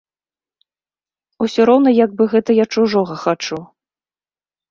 Усё роўна, як бы гэта я чужога хачу.